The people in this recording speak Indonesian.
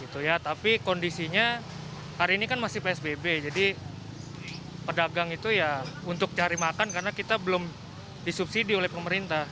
tapi kondisinya hari ini kan masih psbb jadi pedagang itu ya untuk cari makan karena kita belum disubsidi oleh pemerintah